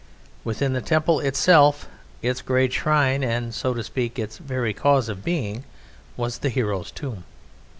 Within the temple itself its great shrine and, so to speak, its very cause of being was the Hero's tomb.